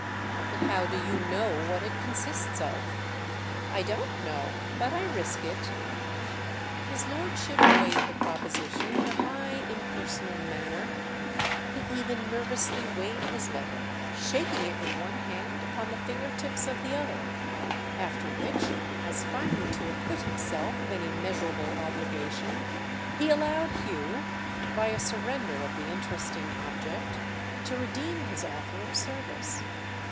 "But how do you know what it consists of?" "I don't know. But I risk it." His lordship weighed the proposition in a high impersonal manner—he even nervously weighed his letter, shaking it with one hand upon the finger tips of the other; after which, as finally to acquit himself of any measurable obligation, he allowed Hugh, by a surrender of the interesting object, to redeem his offer of service.